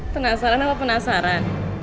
penasaran apa penasaran